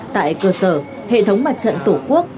tại cơ sở hệ thống mặt trận tổ quốc